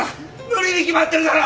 無理に決まってるだろ！